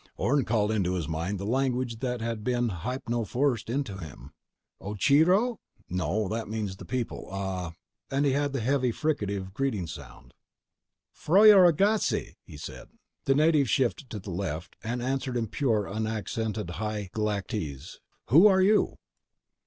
Orne called into his mind the language that had been hypnoforced into him. Ocheero? No. That means 'The People.' Ah ... And he had the heavy fricative greeting sound. "Ffroiragrazzi," he said. The native shifted to the left, answered in pure, unaccented High Galactese: "Who are you?"